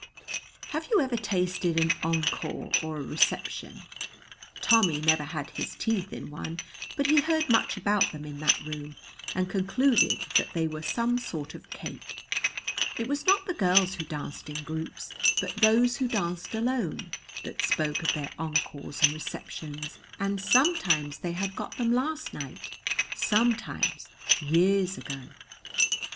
Have you ever tasted an encore or a reception? Tommy never had his teeth in one, but he heard much about them in that room, and concluded that they were some sort of cake. It was not the girls who danced in groups, but those who danced alone, that spoke of their encores and receptions, and sometimes they had got them last night, sometimes years ago.